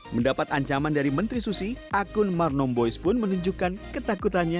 mendapat ancaman dari menteri susi akun marno boys pun menunjukkan ketakutannya